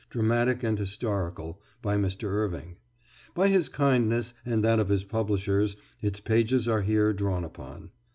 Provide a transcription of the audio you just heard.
Dramatic and Historical" by Mr. Irving. By his kindness, and that of his publishers, its pages are here drawn upon.